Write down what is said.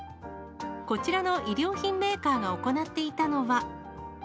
こちらの衣料品メーカーが行っていたのは。